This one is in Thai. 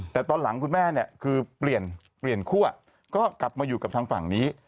แต่ตอนหลังคุณแม่เปลี่ยนขั้นก็กลับมาอยู่กับฝั่งนี้